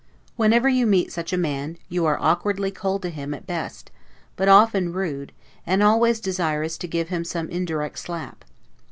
Whenever you meet such a man, you are awkwardly cold to him, at best; but often rude, and always desirous to give him some indirect slap.